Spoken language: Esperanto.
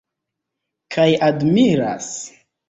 Kaj admiras.